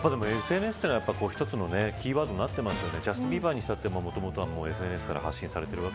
ＳＮＳは一つのキーワードになってますよね。